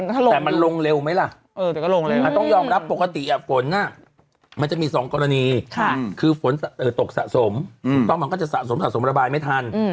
แต่มันลงเร็วไหมล่ะต้องยอมรับปกติฝนมันจะมี๒กรณีคือฝนตกสะสมถูกต้องมันก็จะสะสมสะสมระบายไม่ทัน